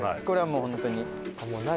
これはもう本当に。